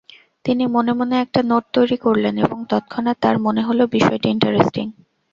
তিনি মনে-মনে একটা নোট তৈরি করলেন এবং তৎক্ষণাৎ তাঁর মনে হলো বিষয়টি ইন্টারেস্টিং।